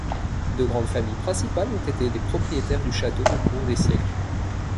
Deux grandes familles principales ont été les propriétaires du château au cours des siècles.